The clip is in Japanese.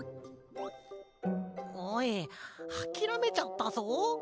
おいあきらめちゃったぞ。